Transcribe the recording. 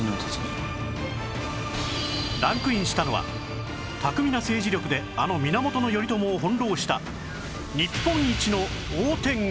ランクインしたのは巧みな政治力であの源頼朝を翻弄した